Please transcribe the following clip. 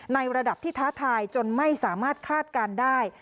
ในระดับที่ท้าทายจนไม่สามารถคาดการณ์ได้